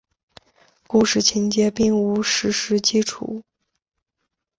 故事情节并无史实基础。